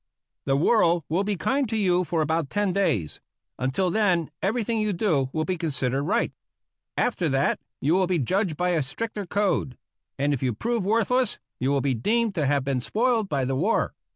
The world will be kind to you for about ten days; until then everything you do will be considered right. After that you will be judged by a stricter code; and if you prove worthless you will be deemed to have been spoiled by the war.